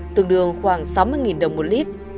tương đương khoảng sáu mươi đồng một lít